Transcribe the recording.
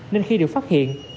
nên khi được phát hiện